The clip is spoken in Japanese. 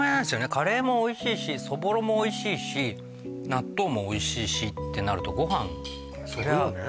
カレーもおいしいしそぼろもおいしいし納豆もおいしいしってなるとご飯そうよね